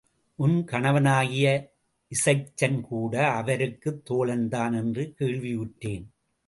உன் கணவனாகிய இசைச்சன்கூட அவருக்குத் தோழன்தான் என்று கேள்வியுற்றேன்.